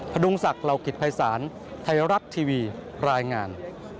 ดุงศักดิ์เหล่ากิจภัยศาลไทยรัฐทีวีรายงาน